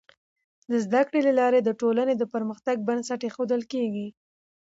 د زده کړي له لارې د ټولني د پرمختګ بنسټ ایښودل کيږي.